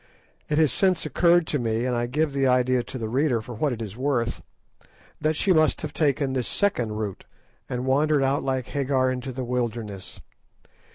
It has since occurred to me, and I give the idea to the reader for what it is worth, that she must have taken this second route, and wandered out like Hagar into the wilderness.